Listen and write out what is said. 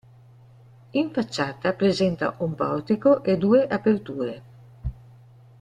In facciata presenta un portico e due aperture.